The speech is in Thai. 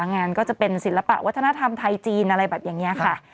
งานก็จะเป็นศิลปะวัฒนธรรมไทยจีนอะไรแบบนี้ค่ะ